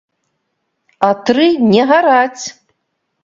А тры не гараць!